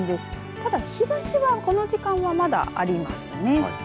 ただ日ざしはこの時間はまだありますね。